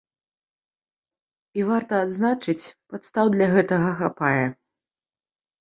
І варта адзначыць, падстаў для гэтага хапае.